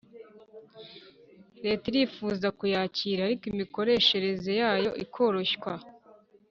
leta irifuza kuyakira ariko imikoreshereze yayo ikoroshywa